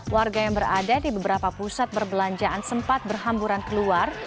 warga yang berada di beberapa pusat perbelanjaan sempat berhamburan keluar